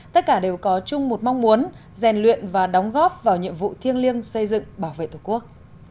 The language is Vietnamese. tất cả đều có chung một mong muốn rèn luyện và đóng góp vào nhiệm vụ thiêng liêng xây dựng bảo vệ tổ quốc